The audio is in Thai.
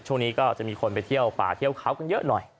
ช่วงนี้ก็จะมีคนไปเที่ยวป่าเที่ยวเขากันเยอะหน่อย